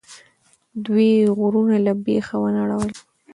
دوی غرونه له بیخه ونړول.